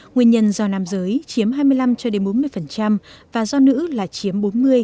nguyên nhân do nam giới chiếm hai mươi năm bốn mươi và do nữ là chiếm bốn mươi ba mươi